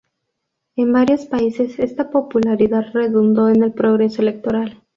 En varios países esta popularidad redundó en el progreso electoral.